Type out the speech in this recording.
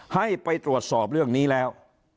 ให้ไปตรวจสอบเรื่องนี้แล้ว